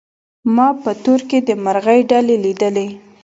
ما په تور کي د مرغۍ ډلي لیدلې